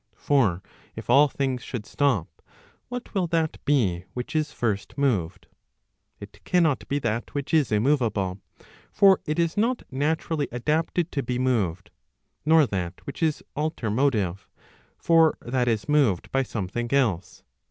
For if' all things should stop, what will that be which is first moved ? It cannot be that which is immoveable ; 4 for it is not naturally adapted to be moved ; nor that which is alter motive; for that is moved by something else.